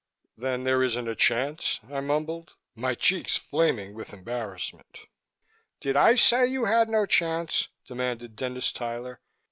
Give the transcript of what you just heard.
"Then there isn't a chance," I mumbled, my cheeks flaming with embarrassment. "Did I say that you had no chance?" demanded Dennis Tyler.